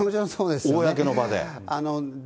公の場で。